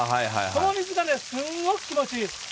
その水がね、すごく気持ちいい。